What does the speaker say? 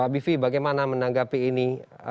bagaimana menanggapi ini